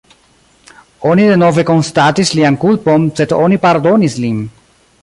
Oni denove konstatis lian kulpon, sed oni pardonis lin.